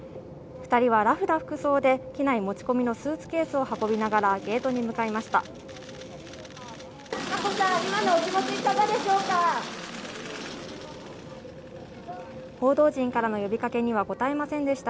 ２人はラフな服装で機内持ち込みのスーツケースを運びながらゲートに向かいました。